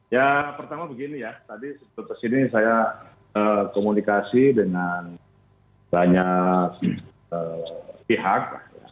ya pertama begini ya tadi sebetul betul sini saya komunikasi dengan banyak pihak